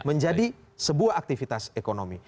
menjadi sebuah aktivitas ekonomi